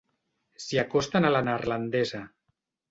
S'hi acosten a la neerlandesa.